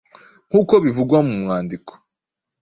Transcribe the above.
Nk’uko bivugwa mu mwandiko,